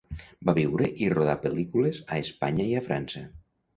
Va viure i rodar pel·lícules a Espanya i a França.